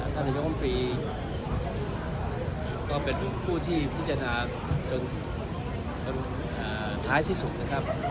นายกรรมตรีก็เป็นผู้ที่พิจารณาจนท้ายที่สุดนะครับ